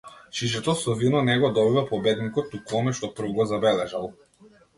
Шишето со вино не го добива победникот, туку оној што прв го забележал.